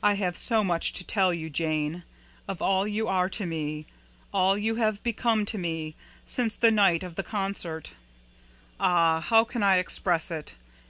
I have so much to tell you, Jane, of all you are to me all you have become to me, since the night of the concert. Ah, how can I express it?